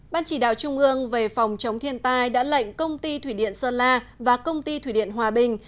ban chỉ đạo trung ương về phòng chống thiên tai đã lệnh công ty thủy điện sơn la và công ty thủy điện hòa bình